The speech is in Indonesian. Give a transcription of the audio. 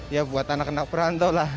ya buat anak anak perantau lah